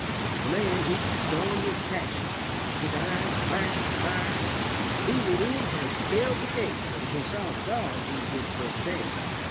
The man he storm ed with pas si on. His eyes flash ed fire. He would e'en have scal ed the gate, but when he saw the dog he did forbear.